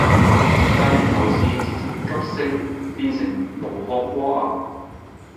近年樓市節節急升，變成無殼蝸牛